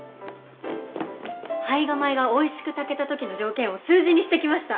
胚芽米がおいしく炊けた時の条件を数字にしてきました。